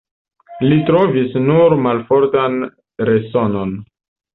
Li trovis nur malfortan resonon.